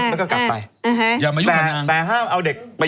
ปุกการณ์สหรา